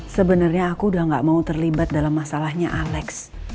sebenarnya aku udah gak mau terlibat dalam masalahnya alex